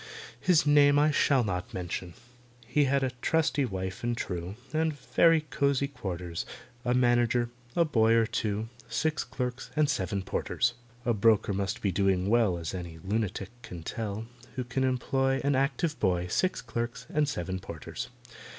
His name I shall not mention. He had a trusty wife and true, And very cosy quarters, A manager, a boy or two, Six clerks, and seven porters. A broker must be doing well (As any lunatic can tell) Who can employ An active boy, Six clerks, and seven porters.